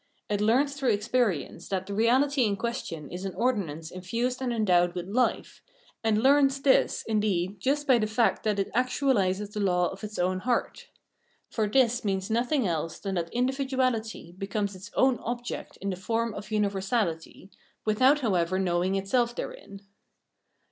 It learns through experience that the reahty in question is an ordinance infused and endowed with hfe, and learns this, indeed, just by the fact that it actualises the law of its own heart. For this means nothing else than that individuality becomes its own object in the form of universahty, without however knowing itself therein.